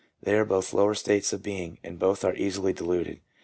They are both lower states of being, and both are easily deluded.